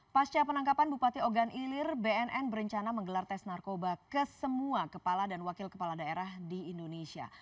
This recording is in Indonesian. pasca penangkapan bupati ogan ilir bnn berencana menggelar tes narkoba ke semua kepala dan wakil kepala daerah di indonesia